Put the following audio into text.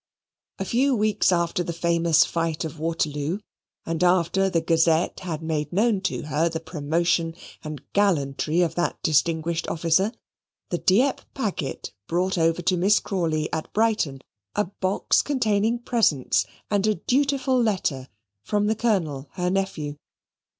A few weeks after the famous fight of Waterloo, and after the Gazette had made known to her the promotion and gallantry of that distinguished officer, the Dieppe packet brought over to Miss Crawley at Brighton, a box containing presents, and a dutiful letter, from the Colonel her nephew.